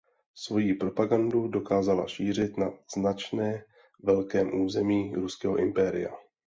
Svojí propagandu dokázala šířit na značně velkém území Ruského impéria.